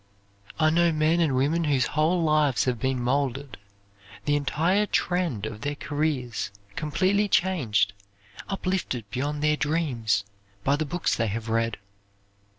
I know men and women whose whole lives have been molded, the entire trend of their careers completely changed, uplifted beyond their dreams by the books they have read.